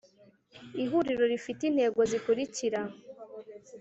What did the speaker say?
ihuriro rifite intego zikurikira